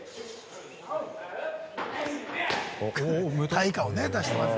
タイ感をね出してます。